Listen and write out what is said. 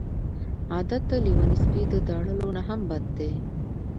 عادت د لیوني سپي د داړلو نه هم بد دی.